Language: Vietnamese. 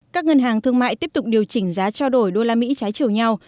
các ngân hàng thương mại tiếp tục điều chỉnh giá trao đổi usd trái chiều nhau